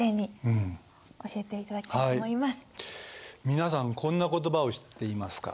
皆さんこんな言葉を知っていますか？